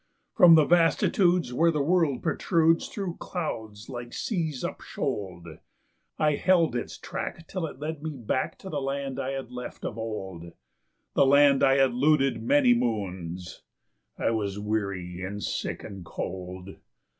"From the vastitudes where the world protrudes through clouds like seas up shoaled, I held its track till it led me back to the land I had left of old The land I had looted many moons. I was weary and sick and cold.